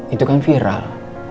itu kan viral